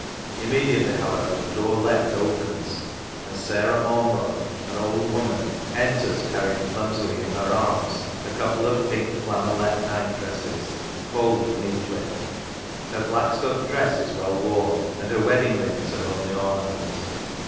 Immediately, however, the door left opens and Sarah Ormerod, an old woman, enters carrying clumsily in her arms a couple of pink flannelette night dresses, folded neatly. Her black stuff dress is well worn, and her wedding ring is her only ornament.